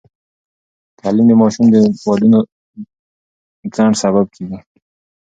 تعلیم د ماشومانو د ودونو د ځنډ سبب کېږي.